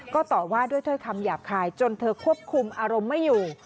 ก็ต่อว่าด้วยถ้อยคำหยาบคายจนเธอควบคุมอารมณ์ไม่อยู่